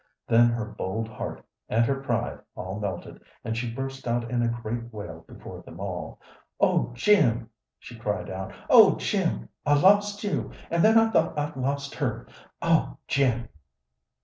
Then her bold heart and her pride all melted and she burst out in a great wail before them all. "Oh, Jim!" she cried out. "Oh, Jim, I lost you, and then I thought I'd lost her! Oh, Jim!"